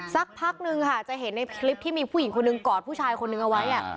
สักพักนึงค่ะจะเห็นในคลิปที่มีผู้หญิงคนหนึ่งกอดผู้ชายคนนึงเอาไว้